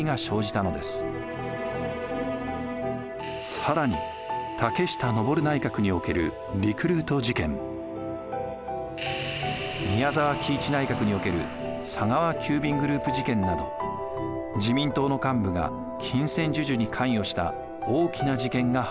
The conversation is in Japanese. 更に竹下登内閣における宮沢喜一内閣における佐川急便グループ事件など自民党の幹部が金銭授受に関与した大きな事件が発覚。